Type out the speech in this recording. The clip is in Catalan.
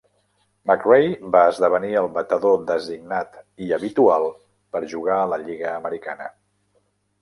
McRae va esdevenir el batedor designat i habitual per jugar a la lliga americana.